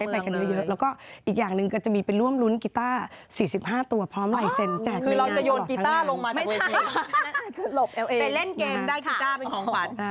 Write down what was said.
ไปเล่นเกมได้กีตาร์เป็นของฝัน